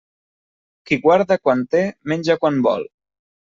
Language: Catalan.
Qui guarda quan té, menja quan vol.